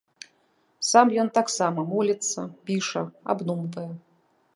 Сам ён таксама моліцца, піша, абдумвае.